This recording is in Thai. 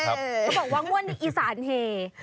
เขาบอกว่าง่วงอีสานเฮ